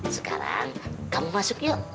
sekarang kamu masuk yuk